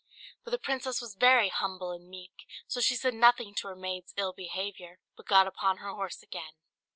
But the princess was very humble and meek, so she said nothing to her maid's ill behaviour, but got upon her horse again.